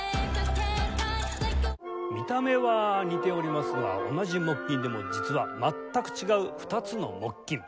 見た目は似ておりますが同じ木琴でも実は全く違う２つの木琴。